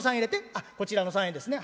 「あっこちらの３円ですね。